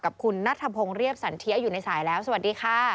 กับคุณนัทพงศ์เรียบสันเทียอยู่ในสายแล้วสวัสดีค่ะ